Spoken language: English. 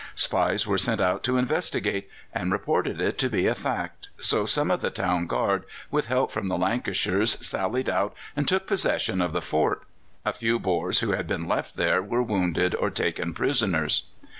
Spies were sent out to investigate, and reported it to be a fact, so some of the Town Guard, with help from the Lancashires, sallied out and took possession of the fort. A few Boers who had been left there were wounded or taken prisoners.